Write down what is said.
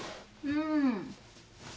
うん。